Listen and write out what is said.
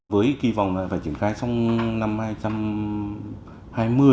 với kỳ vọng phải triển khai xong năm hai nghìn hai mươi